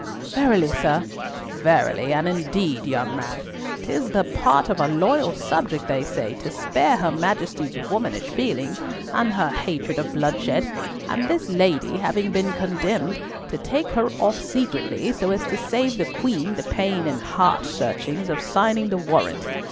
"Verily, sir?" "Verily, and indeed, young man. 'Tis the part of a loyal subject, they say, to spare her Majesty's womanish feelings and her hatred of bloodshed, and this lady having been condemned, to take her off secretly so as to save the Queen the pain and heart searchings of signing the warrant.